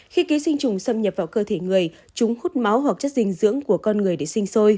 khi ký sinh trùng xâm nhập vào cơ thể người chúng hút máu hoặc chất dinh dưỡng của con người để sinh sôi